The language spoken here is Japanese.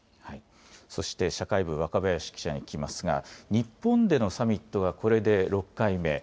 そして社会部、若林記者に聞きますが、日本でのサミットはこれで６回目。